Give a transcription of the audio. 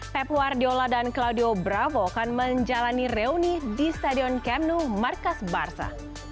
pep guardiola dan claudio bravo akan menjalani reuni di stadion camp nou markas barca